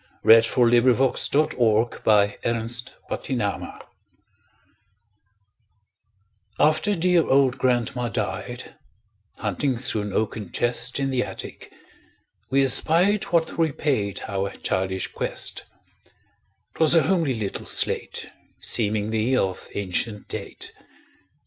Eugene Field Little Homer's Slate AFTER dear old grandma died, Hunting through an oaken chest In the attic, we espied What repaid our childish quest; 'Twas a homely little slate, Seemingly of ancient date.